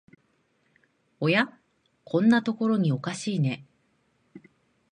おや、こんなとこにおかしいね